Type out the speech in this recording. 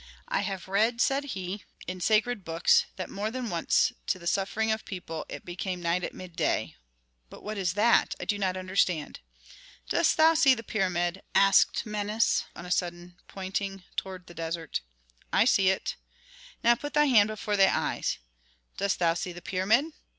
"I have read," said he, "in sacred books that more than once to the suffering of people it became night at midday. But what is that? I do not understand." "Dost thou see the pyramid?" asked Menes on a sudden, pointing toward the desert. "I see it." "Now put thy hand before thy eyes. Dost thou see the pyramid?